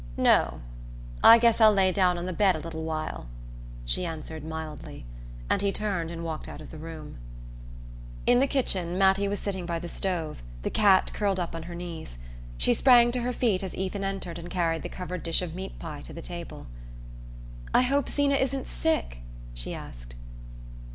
"No. I guess I'll lay down on the bed a little while," she answered mildly; and he turned and walked out of the room. In the kitchen Mattie was sitting by the stove, the cat curled up on her knees. She sprang to her feet as Ethan entered and carried the covered dish of meat pie to the table. "I hope Zeena isn't sick?" she asked.